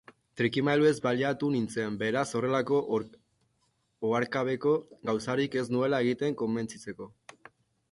Trikimailuez baliatu nintzen, beraz, horrelako oharkabeko gauzarik ez nuela egiten konbentzitzeko.